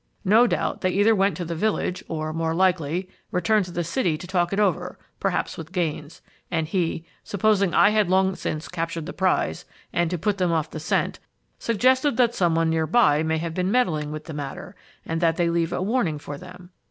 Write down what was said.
No doubt they either went to the village, or, more likely, returned to the city to talk it over, perhaps with Gaines. And he, supposing I had long since captured the prize, and to put them off the scent, suggested that some one nearby may have been meddling with the matter and that they leave a warning for them.